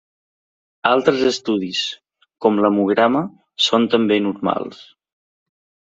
Altres estudis com l'hemograma són també normals.